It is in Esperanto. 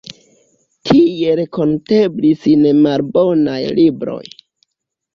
Tie renkonteblis nemalbonaj libroj.